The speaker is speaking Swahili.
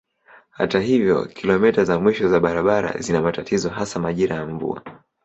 Hata hivyo kilomita za mwisho za barabara zina matatizo hasa majira ya mvua.